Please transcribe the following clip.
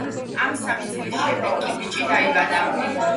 ამ სამი წლის შემდეგ კი ბიჭი დაიბადა.